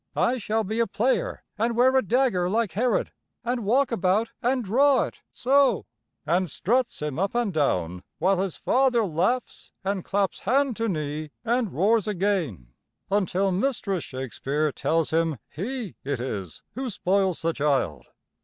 "I shall be a player and wear a dagger like Herod, an' walk about an' draw it so " and struts him up and down while his father laughs and claps hand to knee and roars again, until Mistress Shakespeare tells him he it is who spoils the child.